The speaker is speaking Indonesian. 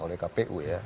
oleh kpu ya